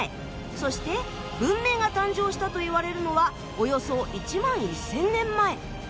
そして文明が誕生したといわれるのはおよそ１万１，０００年前。